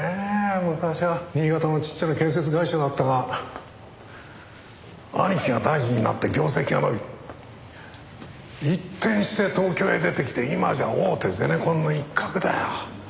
昔は新潟のちっちゃな建設会社だったが兄貴が大臣になって業績が伸び一転して東京へ出てきて今じゃ大手ゼネコンの一角だよ。